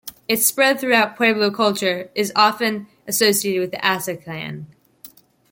Its spread throughout Pueblo culture is often associated with the Asa clan.